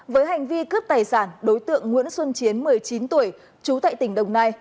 với hành vi cướp tài sản đối tượng nguyễn xuân chiến một mươi chín tuổi trú tại tỉnh đồng nai